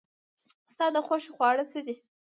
ستا د خوښې خواړه څه دي؟